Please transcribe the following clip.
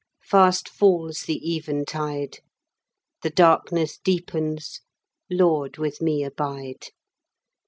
Fast falls the eventide, The darkness deepens Lord, with me abide!